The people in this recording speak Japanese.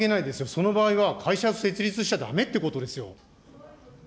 その場合は、会社設立しちゃだめってことですよ。